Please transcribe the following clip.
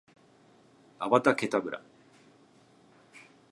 アバタケタブラ